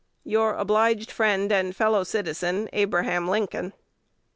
Your obliged friend and fellow citizen, Abraham Lincoln.